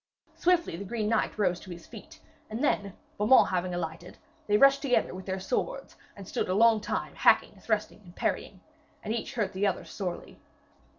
Swiftly the green knight rose to his feet, and then, Beaumains having alighted, they rushed together with their swords, and stood a long time hacking, thrusting and parrying. And each hurt the other sorely.